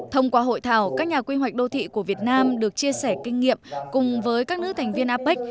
thông qua hội thảo các nhà quy hoạch đô thị của việt nam được chia sẻ kinh nghiệm cùng với các nước thành viên apec